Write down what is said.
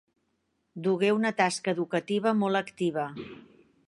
Dugué una tasca educativa molt activa.